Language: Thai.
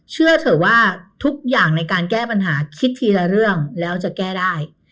เชื่อเถอะว่าทุกอย่างในการแก้ปัญหาคิดทีละเรื่องแล้วจะแก้ได้